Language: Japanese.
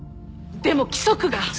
でも規則が。